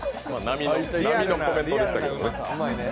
並みのコメントでしたけどね。